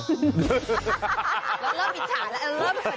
แล้วเริ่มอิจฉาแล้ว